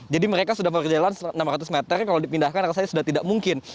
jadi mereka sudah berjalan enam ratus meter kalau dipindahkan rasanya sudah tidak mungkin